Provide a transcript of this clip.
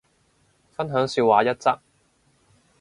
分享笑話一則